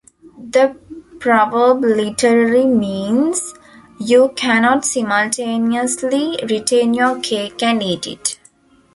The proverb literally means "you cannot simultaneously retain your cake and eat it".